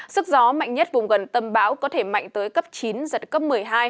sức gió mạnh nhất vùng gần tâm bão có thể mạnh tới cấp chín giật cấp một mươi hai